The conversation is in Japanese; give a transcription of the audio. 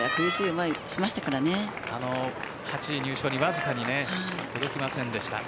８位入賞にわずかに届きませんでした。